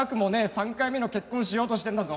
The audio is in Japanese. ３回目の結婚しようとしてんだぞ。